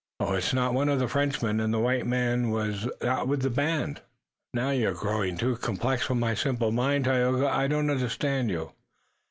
"It is not one of the Frenchmen, and the white man was not with the band." "Now you're growing too complex for my simple mind, Tayoga. I don't understand you."